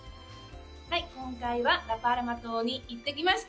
今回は、ラ・パルマ島に行ってきました。